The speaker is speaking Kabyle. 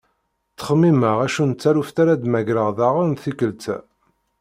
Ttxemmimeɣ acu n taluft ara d-mmagreɣ daɣen tikkelt-a.